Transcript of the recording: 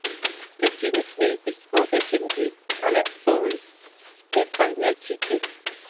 The genus name is from Ancient Greek "alektoris" a farmyard chicken.